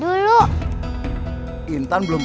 dugol yg international ya